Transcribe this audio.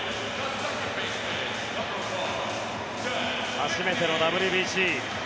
初めてのＷＢＣ。